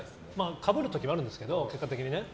かぶる時もあるんですけど結果的に。